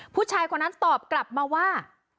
ผู้ชายคนนั้นตอบกลับมาว่า